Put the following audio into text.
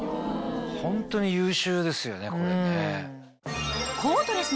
ホントに優秀ですよねこれね。